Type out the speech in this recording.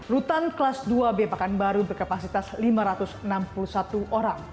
rutan kelas dua pekanbaru berkapasitas lima ratus enam puluh satu orang